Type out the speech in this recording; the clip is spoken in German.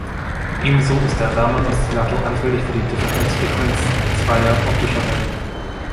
Ebenso ist der Raman-Oszillator anfällig für die Differenzfrequenz zweier optischer Wellen.